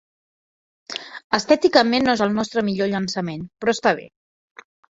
Estèticament no és el nostre millor llançament, però està bé.